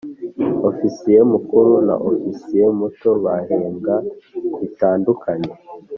Ofisiye mukuru na Ofisiye muto bahembwa bitandukanye.